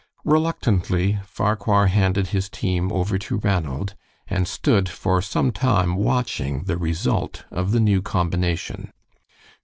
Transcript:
Reluctantly Farquhar handed his team over to Ranald, and stood for some time watching the result of the new combination.